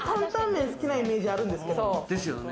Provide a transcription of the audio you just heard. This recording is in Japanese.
麺好きなイメージあるんですけど。